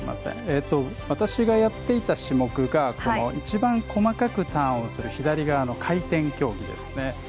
私がやっていた種目が一番細かくターンをする左側の回転競技ですね。